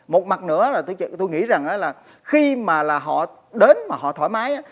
một mặt nữa là tôi nghĩ rằng là khi mà là họ đến mà họ thoải mái